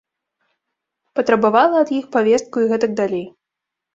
Патрабавала ад іх павестку і гэтак далей.